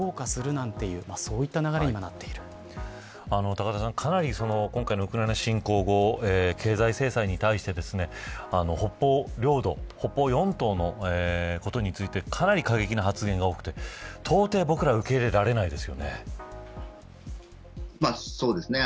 高田さん、かなり今回のウクライナ侵攻経済制裁に対して北方領土、北方四島のことについてかなり過激な発言が多くて到底、僕らはそうですね。